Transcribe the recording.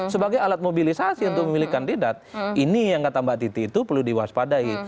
sebagai alat mobilisasi untuk memilih kandidat ini yang kata mbak titi itu perlu diwaspadai